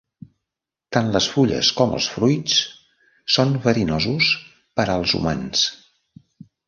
Tant les fulles com els fruits són verinosos per als humans.